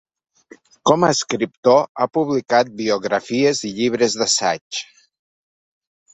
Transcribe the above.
Com a escriptor, ha publicat biografies i llibres d'assaig.